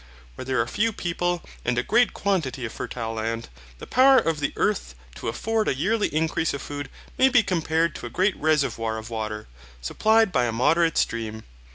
Where there are few people, and a great quantity of fertile land, the power of the earth to afford a yearly increase of food may be compared to a great reservoir of water, supplied by a moderate stream.